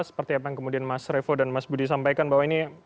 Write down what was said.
seperti apa yang kemudian mas revo dan mas budi sampaikan bahwa ini